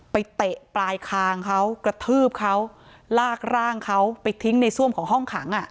เตะปลายคางเขากระทืบเขาลากร่างเขาไปทิ้งในซ่วมของห้องขังอ่ะ